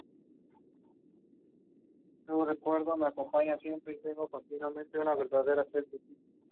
Tiene contrato con Interscope Records.